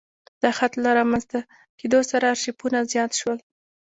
د خط له رامنځته کېدو سره ارشیفونه زیات شول.